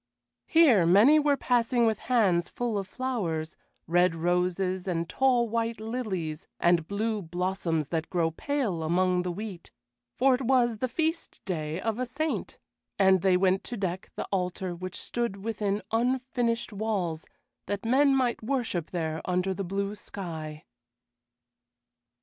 Here many were passing with hands full of flowers, red roses and tall white lilies and blue blossoms that grow pale among the wheat, for it was the feast day of a saint, and they went to deck the altar which stood within unfinished walls, that men might worship there under the blue sky.